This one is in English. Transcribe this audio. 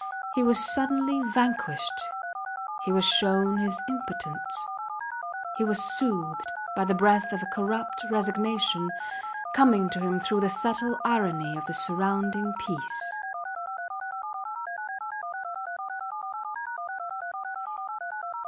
He was suddenly vanquished. He was shown his impotence. He was soothed by the breath of a corrupt resignation coming to him through the subtle irony of the surrounding peace.